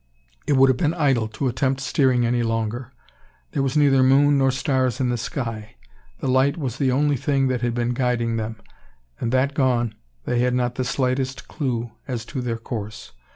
It would have been idle to attempt steering any longer. There was neither moon nor stars in the sky. The light was the only thing that had been guiding them; and that gone, they had not the slightest clue as to their course.